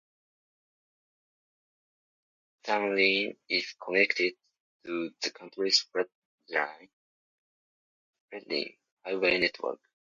Thanlyin is connected to the country's fledgling highway network.